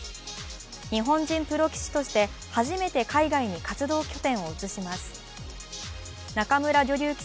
日本人プロ棋士として初めて海外に活動拠点を移します。